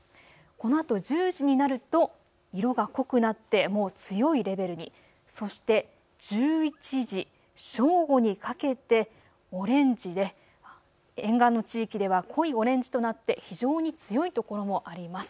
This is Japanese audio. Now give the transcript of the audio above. このあと１０時になると色が濃くなってもう強いレベルに、そして１１時、正午にかけてオレンジで沿岸の地域では濃いオレンジとなって非常に強い所もあります。